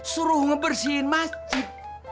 suruh ngebersihin masjid